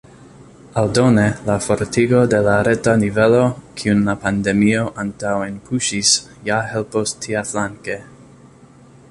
Aldone, la fortigo de la reta nivelo, kiun la pandemio antaŭenpuŝis, ja helpos tiaflanke.